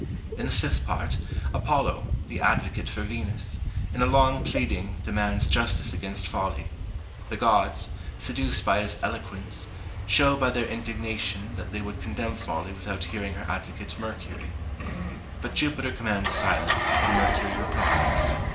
In the fifth part, Apollo, the advocate for Venus, in a long pleading demands justice against Folly. The Gods, seduced by his eloquence, show by their indignation that they would condemn Folly without hearing her advocate Mercury. But Jupiter commands silence, and Mercury replies.